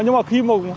nhưng mà khi mà